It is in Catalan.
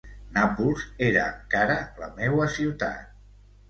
Nàpols era encara la meua ciutat.